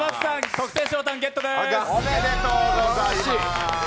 特製塩タンゲットです。